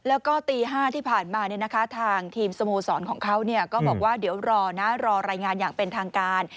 แล้วก็ตี๕ที่ผ่านมาทางทีมสโมสรของเขาก็บอกว่าเดี๋ยวรอนะรอรายงานอย่างเป็นทางการ